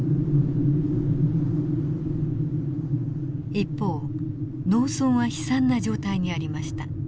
一方農村は悲惨な状態にありました。